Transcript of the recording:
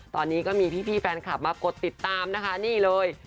ตอนนี้ก็มีพี่แฟนคลับมากดติดตามนะคะนี่เลย